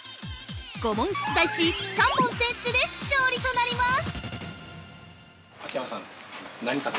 ５問出題し、３問先取で勝利となります。